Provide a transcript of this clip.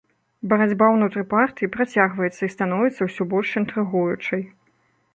Барацьба ўнутры партыі працягваецца і становіцца ўсё больш інтрыгуючай.